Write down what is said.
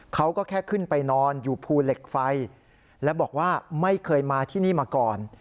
เขาก็แค่ขึ้นไปนอนอยู่ภูเหล็กไฟและบอกว่าไม่เคยมาที่นี่มาก่อน